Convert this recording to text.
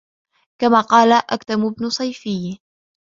كَمَا قَالَ أَكْثَمُ بْنُ صَيْفِيٍّ